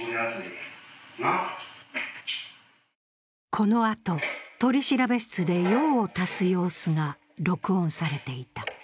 このあと、取調室で用を足す様子が録音されていた。